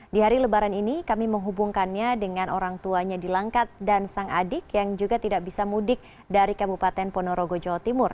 di hari lebaran ini kami menghubungkannya dengan orang tuanya di langkat dan sang adik yang juga tidak bisa mudik dari kabupaten ponorogo jawa timur